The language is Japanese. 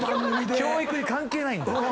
教育に関係ない。